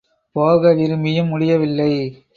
போக விரும்பியும் முடியவில்லை.